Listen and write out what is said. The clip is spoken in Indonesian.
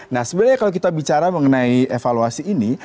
nah sebenarnya kalau kita bicara mengenai evaluasi ini